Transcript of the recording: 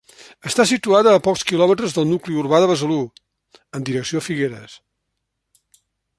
Està situada a pocs quilòmetres del nucli urbà de Besalú, en direcció a Figueres.